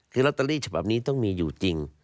คือลอตเตอรี่ฉบับนี้ต้องมีอยู่จริง